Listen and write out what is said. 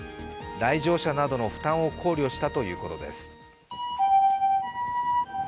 来場者などの負担を考慮したということです。